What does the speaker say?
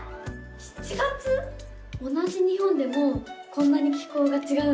同じ日本でもこんなに気候がちがうんだな。